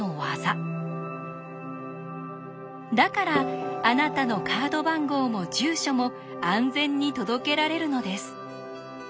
だからあなたのカード番号も住所も安全に届けられるのです。